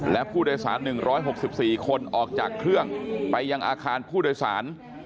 และผู้โดยสาร๑๖๔คนออกจากเครื่องไปยังอาคารผู้โดยสาร